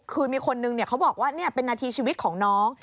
คือมีคนนึงเขาบอกว่านี่เป็นนาทีชีวิตของน้อง